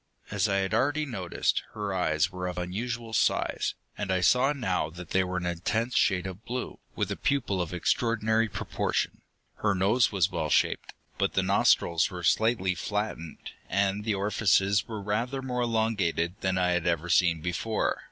As I had already noticed, her eyes were of unusual size, and I saw now that they were an intense shade of blue, with a pupil of extraordinary proportion. Her nose was well shaped, but the nostrils were slightly flattened, and the orifices were rather more elongated than I had ever seen before.